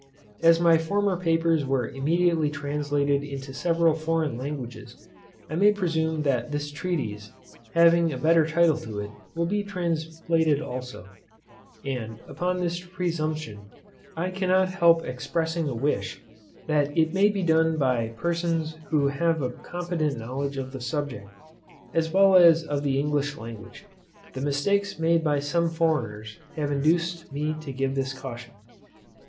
As my former papers were immediately translated into several foreign languages, I may presume that this treatise, having a better title to it, will be translated also; and, upon this presumption, I cannot help expressing a wish, that it may be done by persons who have a competent knowledge of subject, as well as of the English language. The mistakes made by some foreigners, have induced me to give this caution.